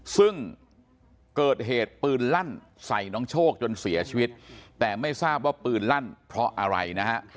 ซึ่งเกิดเหตุปืนลั่นใส่น้องโชคจนเสียชีวิตแต่ไม่ทราบว่าปืนลั่นเพราะอะไรนะฮะ